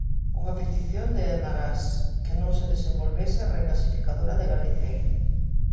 Unha petición de Enagás: que non se desenvolvese a regasificadora de Galicia.